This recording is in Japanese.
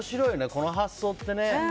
この発想ってね。